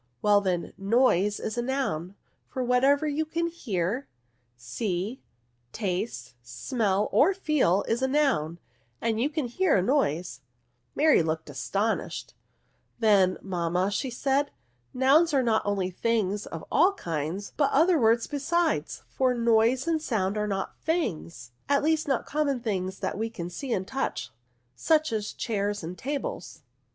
" Well, then, noise is a noun ; for what ever you can hear, see, taste, smell, or feel, is a noun, and you can hear a noise," Mary looked astonished: "Then, mam ma," said she, " nouns are not only things of all kinds, but other words besides; for noise and sound are not things, at least not like common things that we can see and touch, such as chairs and tables."